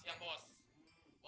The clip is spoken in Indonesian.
selamat siang bos